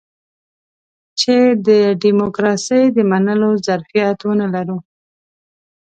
چې د ډيموکراسۍ د منلو ظرفيت ونه لرو.